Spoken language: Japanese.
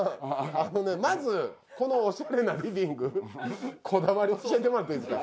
あのねまずこのオシャレなリビングこだわり教えてもらっていいですか？